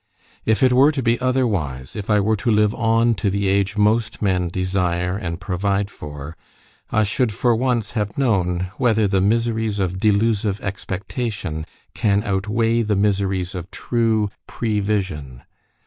If it were to be otherwise if I were to live on to the age most men desire and provide for I should for once have known whether the miseries of delusive expectation can outweigh the miseries of true prevision.